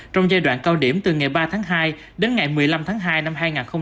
trong giai đoạn cao điểm từ ngày ba tháng hai đến ngày một mươi năm tháng hai năm hai nghìn hai mươi